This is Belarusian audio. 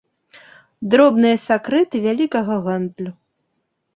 Дробныя сакрэты вялікага гандлю.